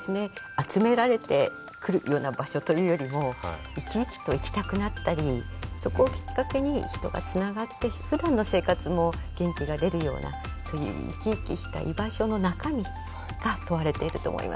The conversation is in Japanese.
集められて来るような場所というよりも生き生きと行きたくなったりそこをきっかけに人がつながってふだんの生活も元気が出るようなそういう生き生きした居場所の中身が問われていると思います。